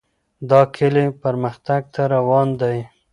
دا کلی پرمختګ ته روان دی.